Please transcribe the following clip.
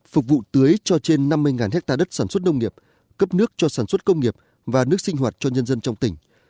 phục vụ tưới cho trên năm mươi hectare đất sản xuất nông nghiệp cấp nước cho sản xuất công nghiệp và nước sinh hoạt cho nhân dân trong tỉnh